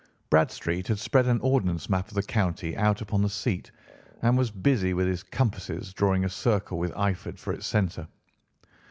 Bradstreet had spread an ordnance map of the county out upon the seat and was busy with his compasses drawing a circle with Eyford for its centre.